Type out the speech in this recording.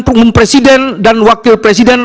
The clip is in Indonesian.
pengumum presiden dan wakil presiden